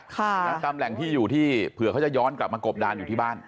ตามแหล่งที่อยู่ที่เผื่อเขาจะย้อนกลับมากบดานอยู่ที่บ้าน